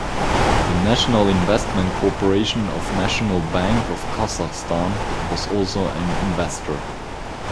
The National Investment Corporation of National Bank of Kazakhstan was also an investor.